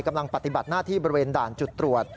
กำลังปฏิบัติหน้าที่บริเวณด่านจุดตรวจ